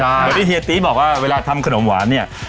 เหมือนที่เฮียตี้บอกว่าเวลาทำขนมหวานเนี่ย